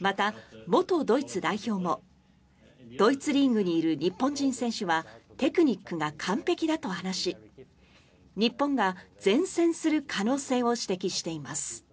また、元ドイツ代表もドイツリーグにいる日本人選手はテクニックが完璧だと話し日本が善戦する可能性を指摘しています。